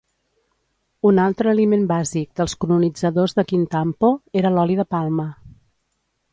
Un altre aliment bàsic dels colonitzadors de Kintampo era l'oli de palma.